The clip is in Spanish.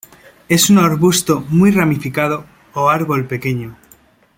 Es un arbusto muy ramificado o árbol pequeño.